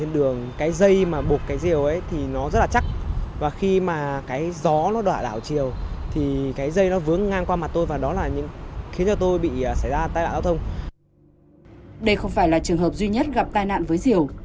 đây không phải là trường hợp duy nhất gặp tai nạn với diều